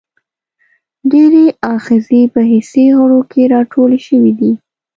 ډیری آخذې په حسي غړو کې راټولې شوي دي.